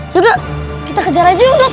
yaudah kita kejar aja yuk dut